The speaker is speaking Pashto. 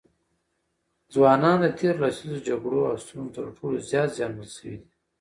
ځوانان د تېرو لسیزو جګړو او ستونزو تر ټولو زیات زیانمن سوي دي.